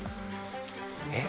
えっ？